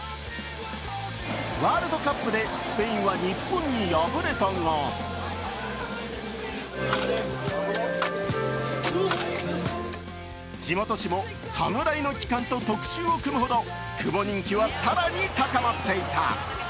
ワールドカップでスペインは日本に敗れたが地元紙も侍の帰還と特集を組むほど、久保人気は更に高まっていた。